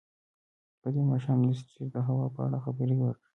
په دې ماښام لیسټرډ د هوا په اړه خبرې وکړې.